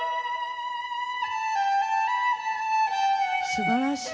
すばらしい。